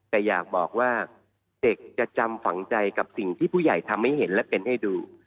แต่อยากบอกว่าเด็กจะจำฝังใจกับสิ่งที่ผู้ใหญ่ทำให้เห็นและเป็นให้ดู